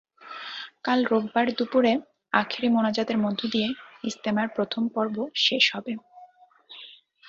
কাল রোববার দুপুরে আখেরি মোনাজাতের মধ্য দিয়ে ইজতেমার প্রথম পর্ব শেষ হবে।